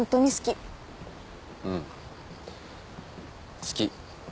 うん好き。